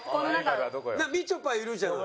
みちょぱいるじゃない。